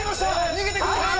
逃げてください